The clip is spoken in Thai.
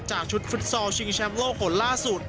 จากชุดฟุตซอลชิงแชมป์โลกคนล่าสุด